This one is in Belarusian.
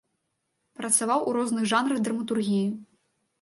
Працаваў ў розных жанрах драматургіі.